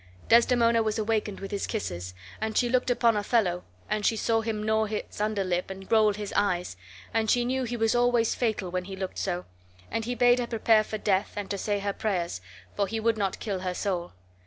Desdemona was awakened with his kisses, and she looked upon Othello, and she saw him gnaw his under lip and roll his eyes, and she knew he was always fatal when he looked so; and he bade her prepare for death and to say her prayers, for he would not kill her soul.